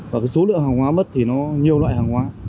và cái số lượng hàng hóa mất thì nó nhiều loại hàng hóa